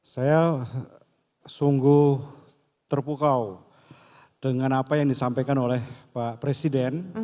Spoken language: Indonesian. saya sungguh terpukau dengan apa yang disampaikan oleh pak presiden